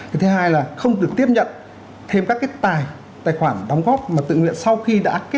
cái thứ hai là không được tiếp nhận thêm các cái tài khoản đóng góp mà tự nguyện sau khi đã kết thúc cái chuyến tự nguyện